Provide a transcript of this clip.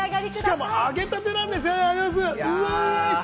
しかも揚げたてなんです！